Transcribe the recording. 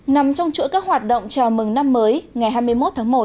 nằm trong chuỗi các hoạt động chào mừng năm mới ngày hai mươi một tháng một